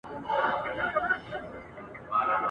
لکه پتڼ درته سوځېږمه بلبل نه یمه !.